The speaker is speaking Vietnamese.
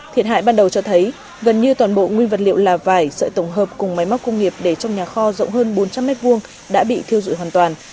thiệt hại ban đầu cho thấy gần như toàn bộ nguyên vật liệu là vải sợi tổng hợp cùng máy móc công nghiệp để trong nhà kho rộng hơn bốn trăm linh m hai đã bị thiêu dụi hoàn toàn